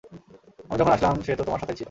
আমি যখন আসলাম সে তো তোমার সাথেই ছিল।